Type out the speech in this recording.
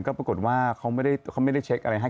ก็ปรากฏว่าเขาไม่ได้เช็คอะไรให้